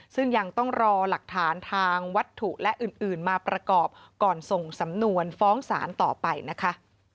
ซึ่งยังต้องรอหลักฐานทางวัตถุและอื่นมาประกอบก่อนส่งสำนวนฟ้องศาลต่อไปนะคะ